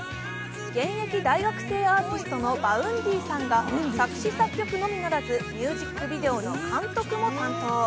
現役大学生アーティストのＶａｕｎｄｙさんが作詞作曲のみならずミュージックビデオの監督も担当。